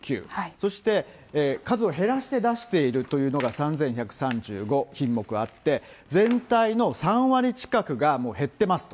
そして数を減らして出しているというのが３１３５品目あって、全体の３割近くが、もう減ってますと。